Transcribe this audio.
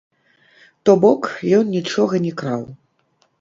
То бок ён нічога не краў.